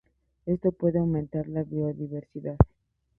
Esto puede aumentar la biodiversidad.